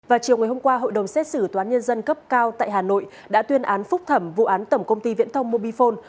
vào chiều ngày hôm qua hội đồng xét xử toán nhân dân cấp cao tại hà nội đã tuyên án phúc thẩm vụ án tổng công ty viễn thông mobifone